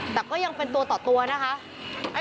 แต่ก็ยังเป็นตัวต่อตัวนะคะ